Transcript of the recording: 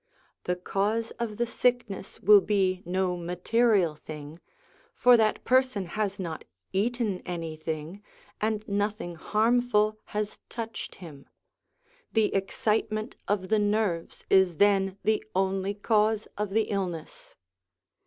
The cause of the sickness will be no material thing, for that person has not eaten POWERS AND CONDITIONS OF MAN 295 anything, and nothing harmful has touched him ; the excitement of the nerves is then the only cause of the illness.